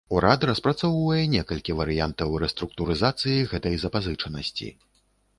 Урад распрацоўвае некалькі варыянтаў рэструктурызацыі гэтай запазычанасці.